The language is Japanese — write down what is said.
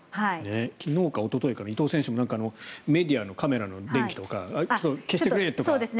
昨日かおとといか伊藤選手、メディアのカメラの電気とかちょっと消してくれとかありましたね。